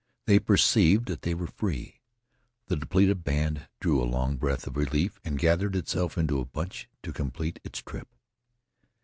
They perceived that they were free. The depleted band drew a long breath of relief and gathered itself into a bunch to complete its trip.